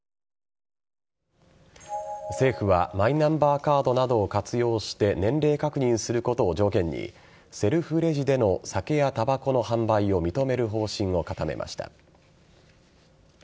政府はマイナンバーカードなどを活用して年齢確認することを条件にセルフレジでの酒やたばこの販売を認める方針を固めました。